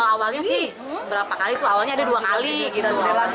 awalnya sih berapa kali tuh awalnya ada dua kali gitu